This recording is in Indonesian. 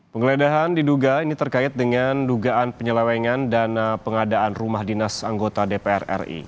penggeledahan diduga ini terkait dengan dugaan penyelewengan dan pengadaan rumah dinas anggota dpr ri